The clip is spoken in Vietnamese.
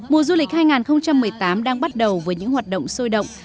mùa du lịch hai nghìn một mươi tám đang bắt đầu với những hoạt động sôi động